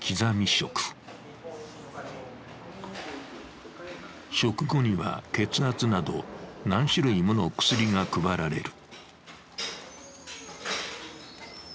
食後には血圧など、何種類もの薬が配られる。